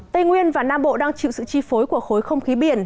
tây nguyên và nam bộ đang chịu sự chi phối của khối không khí biển